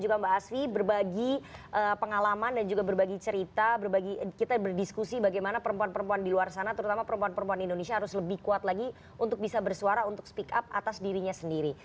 juga mbak asfi berbagi pengalaman dan juga pengalaman dari perempuan yang terkenal di negara ini